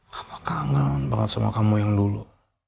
kamu kangen banget semua kamu yang dulu